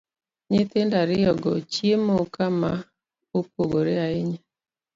Nyithindo ariyo go chiemo kama opogore ahinya,